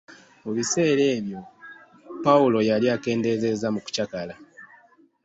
Mu bissera ebyo Pawulo yali akendeezeza mu kukyakala.